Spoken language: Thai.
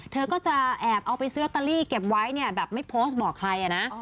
เธอก็จะแอบเอาไปซื้อลอตเตอรี่เก็บไว้เนี่ยแบบไม่โพสต์บอกใครนะ